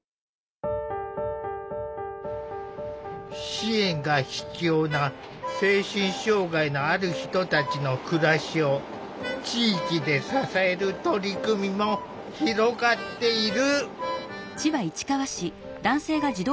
支援が必要な精神障害のある人たちの暮らしを地域で支える取り組みも広がっている。